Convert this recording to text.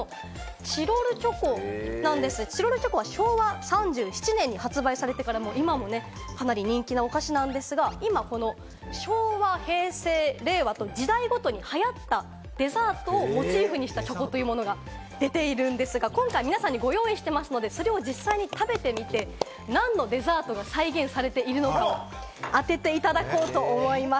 チロルチョコなんですが、昭和３７年に発売されてから、今も人気のお菓子なんですが、今この昭和、平成、令和と時代ごとに流行ったデザートをモチーフにしたチョコというものが出ているんですが、今回、皆さんにご用意していますので、実際に食べて何のデザートが再現されているのか当てていただこうと思います。